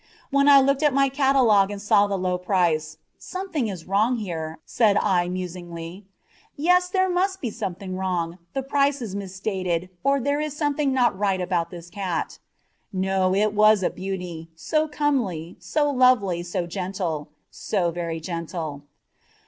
When I looked at my catalogue and saw the low price, "something is wrong here," said I, musingly. "Yes, there must be something wrong. The price is misstated, or there is something not right about this cat." No! it was a beauty so comely, so loving, so gentle so very gentle.